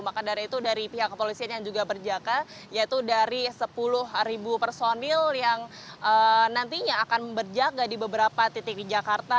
maka dari itu dari pihak kepolisian yang juga berjaga yaitu dari sepuluh personil yang nantinya akan berjaga di beberapa titik di jakarta